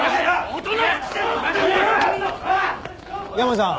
山さん。